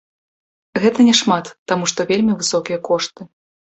Гэта няшмат, таму што вельмі высокія кошты.